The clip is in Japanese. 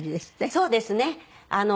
そうですね。